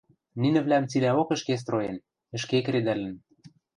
Нинӹвлӓм цилӓок ӹшке строен, ӹшке кредӓлӹн.